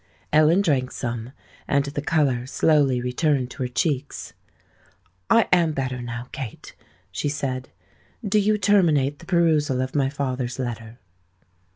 Ellen drank some; and the colour slowly returned to her cheeks. "I am better now, Kate," she said. "Do you terminate the perusal of my father's letter."